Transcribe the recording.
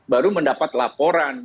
baru mendapat laporan